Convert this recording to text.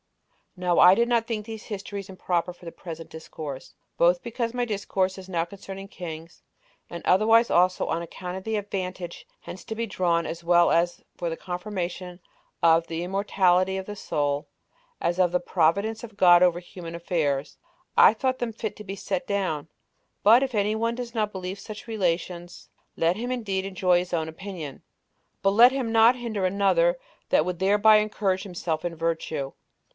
5. Now I did not think these histories improper for the present discourse, both because my discourse now is concerning kings, and otherwise also on account of the advantage hence to be drawn, as well for the confirmation of the immortality of the soul, as of the providence of God over human affairs, I thought them fit to be set down; but if any one does not believe such relations, let him indeed enjoy his own opinion, but let him not hinder another that would thereby encourage himself in virtue.